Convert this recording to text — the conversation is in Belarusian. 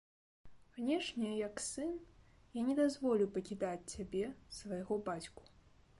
Канечне, як сын, я не дазволю пакідаць цябе, свайго бацьку.